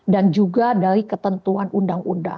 dan juga dari ketentuan undang undang